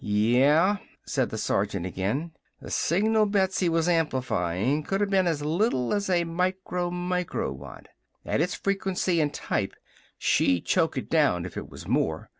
"Yeah," said the sergeant, again. "The signal Betsy was amplifyin' coulda been as little as a micro micro watt. At its frequency an' type, she'd choke it down if it was more.